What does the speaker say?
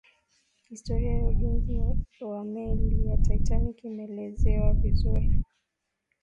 historia ya ujenzi wa meli ya titanic imeelezewa vizuri